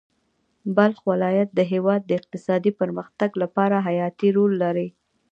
بلخ ولایت د هېواد د اقتصادي پرمختګ لپاره حیاتي رول لري.